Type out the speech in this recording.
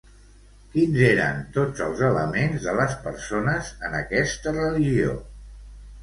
Quins eren tots els elements de les persones en aquesta religió?